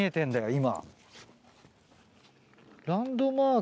今。